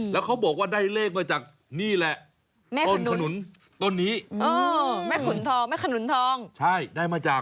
แล้วเขาบอกว่าได้เลขมาจากนี่แหละ